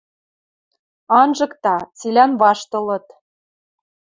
Анжыкта, цилӓн ваштылыт.